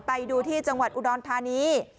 ไปดูที่จังหวัดอุดรธานี